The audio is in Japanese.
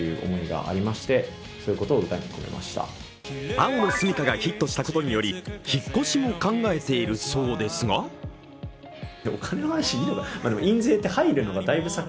「青のすみか」がヒットしたことにより引っ越しも考えているそうですが増田さん。